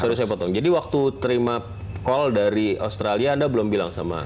sorry saya potong jadi waktu terima call dari australia anda belum bilang sama